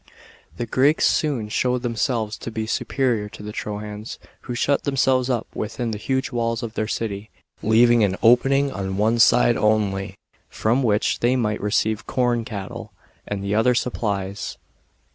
The Greeks soon showed themselves to be superior to the Trojans, who shut themselves up within the huge walls of their city, leaving an opening on one side only, from which they might receive corn, cattle, and other supplies.